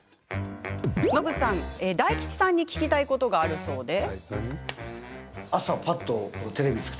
ノブさん、大吉さんに聞きたいことがあるそうで。